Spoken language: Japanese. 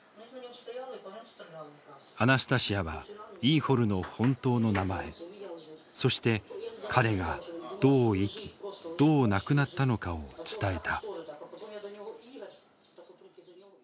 アナスタシヤはイーホルの本当の名前そして彼がどう生きどう亡くなったのかを伝えた。